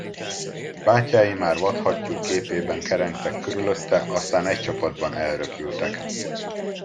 Bátyái már vadhattyúk képében kerengtek körülötte, aztán egy csapatban elröpültek.